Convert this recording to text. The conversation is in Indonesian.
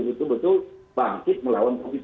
betul betul bangkit melawan covid sembilan belas